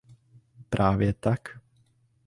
Právě tak.